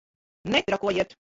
Netrakojiet!